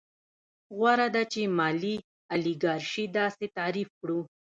غوره ده چې مالي الیګارشي داسې تعریف کړو